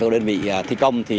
đơn vị thi công